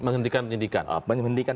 menghentikan penyidikan menghentikan